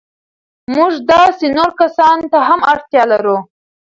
موږ داسې نورو کسانو ته هم اړتیا لرو.